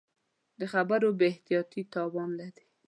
د خبرو بې احتیاطي تاوان لري